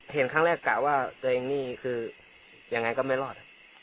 เห็นครั้งแรกกะว่าตัวเองนี่คือยังไงก็ไม่รอด